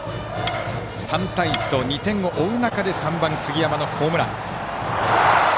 ３対１と２点を追う中で３番、杉山のホームラン。